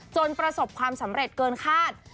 ประสบความสำเร็จเกินคาด